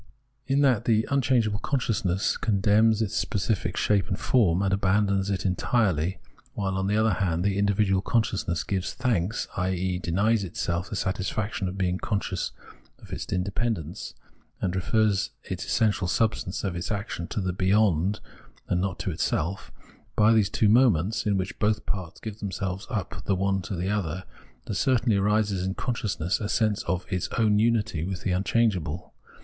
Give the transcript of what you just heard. In that the unchangeable consciousness contemns its specific shape and form, and abandons it entirely, while, on the other hand, the individual consciousness " gives thanks," i.e. denies itself the satisfaction of being conscious of its independence, and refers the essential substance of its action to the " beyond " and not to itself : by these two moments, in which both parts give themselves up the one to the other, there certainly arises in consciousness a sense of its own unity with the unchangeable.